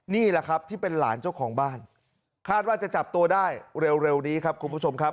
นี่แหละครับที่เป็นหลานเจ้าของบ้านคาดว่าจะจับตัวได้เร็วนี้ครับคุณผู้ชมครับ